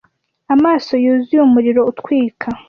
amaso yuzuye umuriro utwika